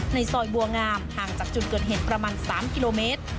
ในซอยบัวงามห่างจากจุดเกิดเหตุประมาณ๓กิโลเมตร